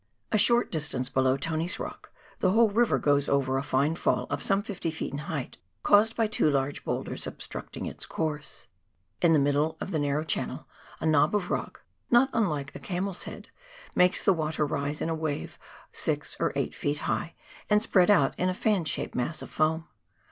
A short distance below Tony's Rock the whole river goes over a fine fall of some 50 ft. in height, caused by two large boulders obstructing its course ; in the middle of the narrow channel a knob of rock, not unlike a camel's head, makes the water rise in a wave six or eight feet high, and spread out in a fan shaped mass of foam.